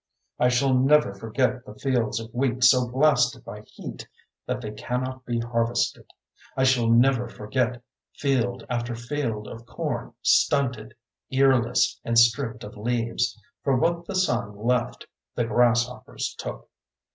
I shall never forget the fields of wheat so blasted by heat that they cannot be harvested. I shall never forget field after field of corn stunted, earless and stripped of leaves, for what the sun left the grasshoppers took.